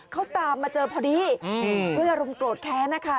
เขาตามมาเจอพอดีด้วยอารมณ์โกรธแค้นนะคะ